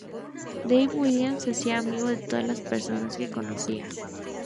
Dave Williams se hacía amigo de todas las personas que conocía.